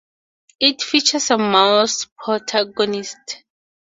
It features a mouse protagonist.